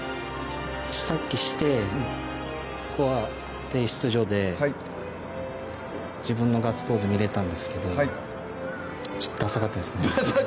さっきして、スコア提出所で自分のガッツポーズを見れたんですけど、ダサかったですね。